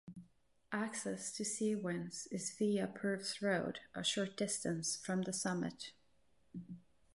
Access to Sea Winds is via Purves Road a short distance from the summit.